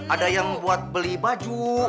ada yang buat beli baju